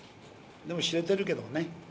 でも知れてるけどもね。